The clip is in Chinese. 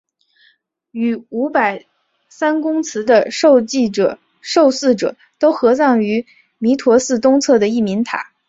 与五百三公祠的受祀者都合葬于弥陀寺东侧的义民塔。